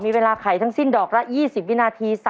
มีเวลาไขทั้งสิ้นดอกละ๒๐วินาที